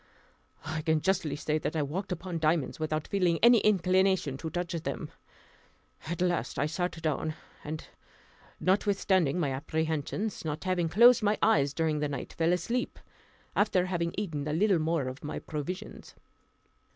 I can justly say that I walked upon diamonds without feeling any inclination to touch them. At last I sat down, and notwithstanding my apprehensions, not having closed my eyes during the night, fell asleep, after having eaten a little more of my provisions.